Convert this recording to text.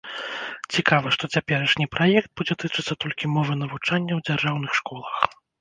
Цікава, што цяперашні праект будзе тычыцца толькі мовы навучання ў дзяржаўных школах.